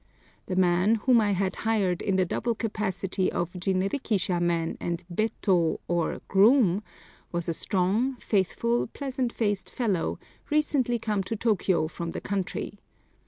The man, whom I had hired in the double capacity of jinrikisha man and bettō or groom, was a strong, faithful, pleasant faced fellow, recently come to Tōkyō from the country.